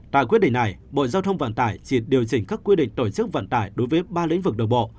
tại quyết định này bộ giao thông vận tải chỉ điều chỉnh các quy định tổ chức vận tải đối với ba lĩnh vực đường bộ